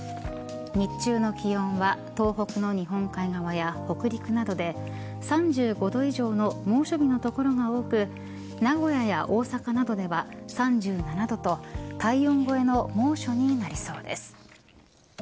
日中の気温は東北の日本海側や北陸などで３５度以上の猛暑日の所が多く名古屋や大阪などでは３７度と体温超えの猛暑になりそうです。